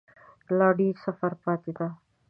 لا ډیر سفر پاته دی